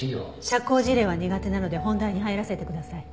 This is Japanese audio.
社交辞令は苦手なので本題に入らせてください。